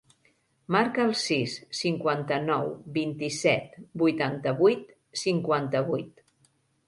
Marca el sis, cinquanta-nou, vint-i-set, vuitanta-vuit, cinquanta-vuit.